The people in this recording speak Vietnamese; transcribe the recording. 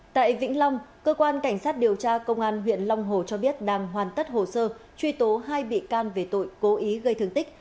tại vĩnh long cơ quan cảnh sát điều tra công an huyện long hồ cho biết đang hoàn tất hồ sơ truy tố hai bị can về tội cố ý gây thương tích